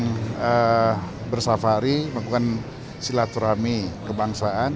yang bersafari melakukan silaturahmi kebangsaan